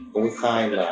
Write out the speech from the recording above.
có cái khai là